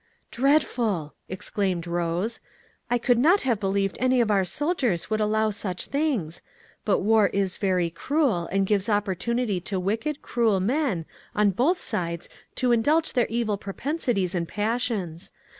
"Dreadful!" exclaimed Rose. "I could not have believed any of our officers would allow such things. But war is very cruel, and gives opportunity to wicked, cruel men, on both sides to indulge their evil propensities and passions.